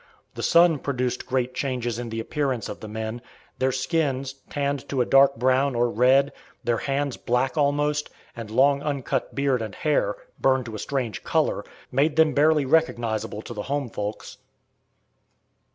The sun produced great changes in the appearance of the men: their skins, tanned to a dark brown or red, their hands black almost, and long uncut beard and hair, burned to a strange color, made them barely recognizable to the home folks.